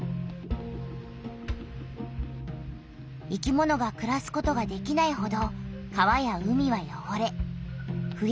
生きものがくらすことができないほど川や海はよごれふ